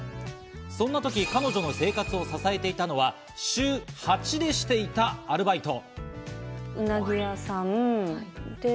そんな時、彼女の生活を支えていたのは週８でしていたアルバイト。